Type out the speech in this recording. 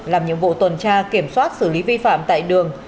làm nhiệm vụ tuần tra kiểm soát xử lý vi phạm tại đường